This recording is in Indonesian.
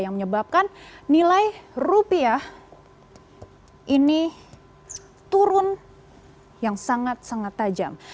yang menyebabkan nilai rupiah ini turun yang sangat sangat tajam